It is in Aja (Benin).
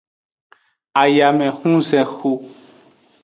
Ayamehunzexu.